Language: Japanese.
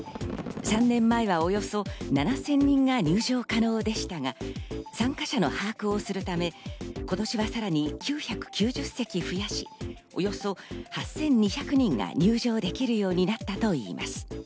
３年前はおよそ７０００人が入場可能でしたが、参加者の把握をするため、今年はさらに９９０席増やし、およそ８２００人が入場できるようになったといいます。